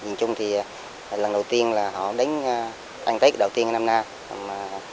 nhưng họ đánh anh tết đầu tiên năm nay